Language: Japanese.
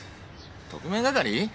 特命係？